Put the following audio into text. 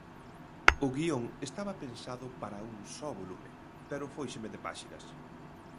O guión estaba pensando para un só volume, pero fóiseme de páxinas.